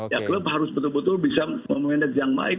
ya klub harus betul betul bisa memanage yang baik